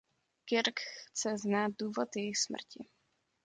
Kirk chce znát důvod jejich smrti.